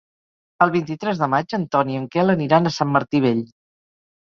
El vint-i-tres de maig en Ton i en Quel aniran a Sant Martí Vell.